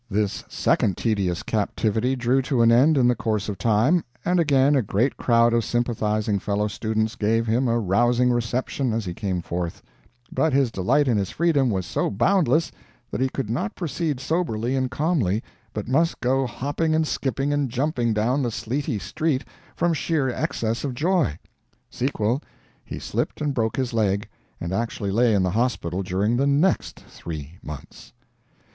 This second tedious captivity drew to an end in the course of time, and again a great crowd of sympathizing fellow students gave him a rousing reception as he came forth; but his delight in his freedom was so boundless that he could not proceed soberly and calmly, but must go hopping and skipping and jumping down the sleety street from sheer excess of joy. Sequel: he slipped and broke his leg, and actually lay in the hospital during the next three months!